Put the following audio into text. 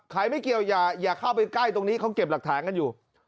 ไม่เกี่ยวอย่าเข้าไปใกล้ตรงนี้เขาเก็บหลักฐานกันอยู่